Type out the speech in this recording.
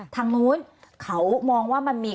ทางนู้นเขามองว่ามันมี